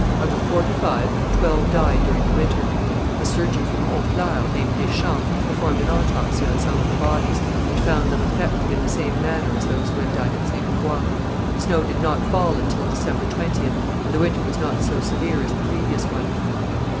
Out of forty five, twelve died during the winter. The surgeon from Honfleur, named Deschamps, performed an autopsy on some of the bodies, and found them affected in the same manner as those who had died at Ste. Croix. Snow did not fall until December 20th, and the winter was not so severe as the previous one.